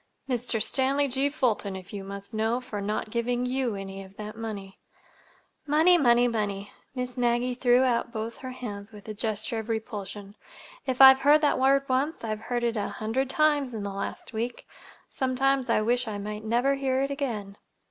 "Mr. Stanley G. Fulton, if you must know, for not giving you any of that money." "Money, money, money!" Miss Maggie threw out both her hands with a gesture of repulsion. "If I've heard that word once, I've heard it a hundred times in the last week. Sometimes I wish I might never hear it again."